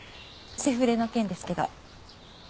セフレの件ですけど。